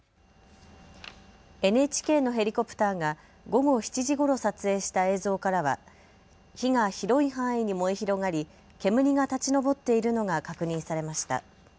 ＮＨＫのヘリコプターが午後７時ごろ撮影した映像からは火が広い範囲に燃え広がり、煙が立ち上っているのが確認されました。